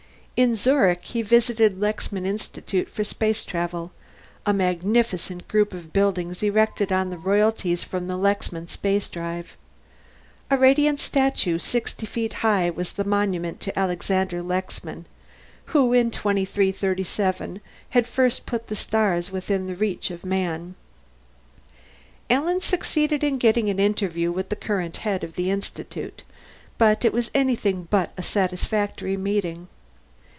In Zurich he visited the Lexman Institute for Space Travel, a magnificent group of buildings erected on the royalties from the Lexman Spacedrive. A radiant statue sixty feet high was the monument to Alexander Lexman, who in 2337 had first put the stars within the reach of man. Alan succeeded in getting an interview with the current head of the Institute, but it was anything but a satisfactory meeting.